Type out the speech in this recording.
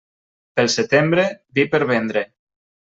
Pel setembre, vi per vendre.